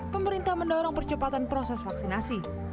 pemerintah mendorong percepatan proses vaksinasi